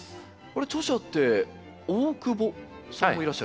著者って「オオクボ」さんもいらっしゃる？